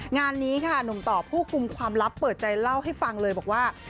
งานนี้ค่ะหนุ่มต่อผู้กลุ่มความลับเปิดใจเล่าให้ฟังเลยบอกว่า